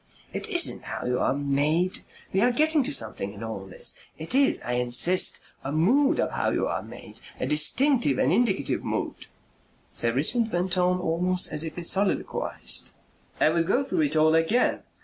"It isn't how you are made. We are getting to something in all this. It is, I insist, a mood of how you are made. A distinctive and indicative mood." Sir Richmond went on, almost as if he soliloquized. "I would go through it all again....